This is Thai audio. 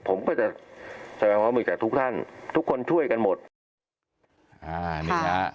ผมก็จะแสดงว่ามึงจากทุกท่านทุกคนช่วยกันหมด